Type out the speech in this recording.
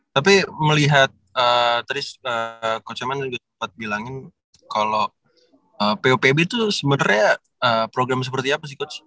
tapi melihat terus coach zaman juga sempet bilangin kalo popb tuh sebenernya program seperti apa sih coach